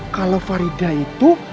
kalau farida itu